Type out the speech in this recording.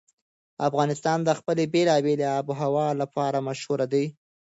افغانستان د خپلې بېلابېلې آب وهوا لپاره مشهور دی.